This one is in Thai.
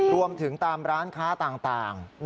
รวมถึงตามร้านค้าต่าง